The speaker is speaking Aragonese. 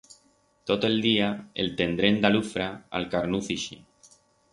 Tot el día el tendrem d'alufra a'l carnuz ixe.